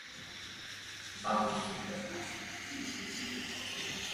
Կարելի է ընտրել մաշկի գույնը, մազերի գույնը, մազերի ոճը և հագուստը։